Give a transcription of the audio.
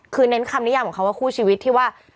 คือเน้นคำนิยามของเขาว่าคู่ชีวิตที่ว่า